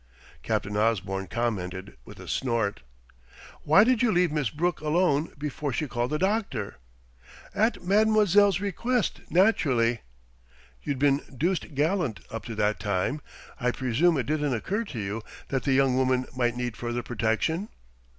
Captain Osborne commented with a snort. "Why did you leave Miss Brooke alone before she called the doctor?" "At mademoiselle's request, naturally." "You'd been deuced gallant up to that time. I presume it didn't occur to you that the young woman might need further protection?"